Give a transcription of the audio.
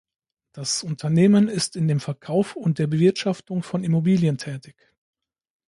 Das Unternehmen ist in dem Verkauf und der Bewirtschaftung von Immobilien tätig.